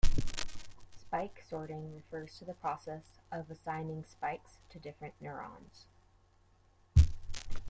Spike sorting refers to the process of assigning spikes to different neurons.